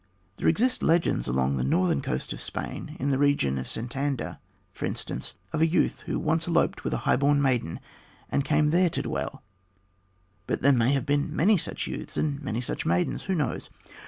There exist legends along the northern coast of Spain in the region of Santander, for instance, of a youth who once eloped with a high born maiden and came there to dwell, but there may have been many such youths and many such maidens who knows?